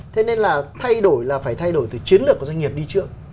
thế nên là thay đổi là phải thay đổi từ chiến lược của doanh nghiệp đi trước